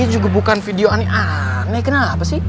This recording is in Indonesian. ini juga bukan video aneh kenapa sih